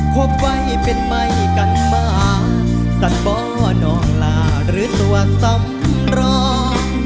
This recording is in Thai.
ควบไหวเป็นไม่กันมาสันเบาะน้องลาหรือตัวสำรอง